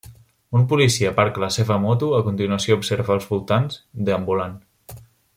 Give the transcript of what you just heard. Un policia aparca la seva moto, a continuació observa els voltants, deambulant.